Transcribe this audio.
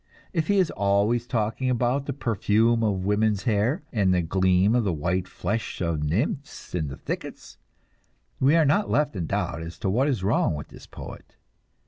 If he is always talking about the perfume of women's hair and the gleam of the white flesh of nymphs in the thickets, we are not left in doubt as to what is wrong with this poet.